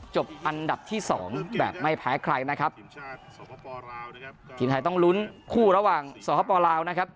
อันดับที่สองแบบไม่แพ้ใครนะครับทีมไทยต้องลุ้นคู่ระหว่างสปลาวนะครับ